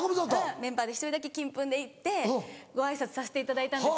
メンバーで１人だけ金粉で行ってご挨拶させていただいたんです。